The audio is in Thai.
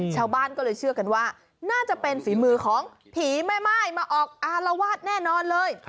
ชาวบ้านก็เลยเชื่อกันว่าน่าจะเป็นฝีมือของผีแม่ม่ายมาออกอารวาสแน่นอนเลย